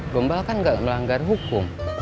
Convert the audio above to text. gombal kan nggak melanggar hukum